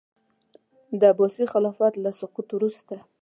د عباسي خلافت له سقوط وروسته.